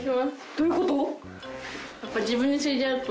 どういうこと？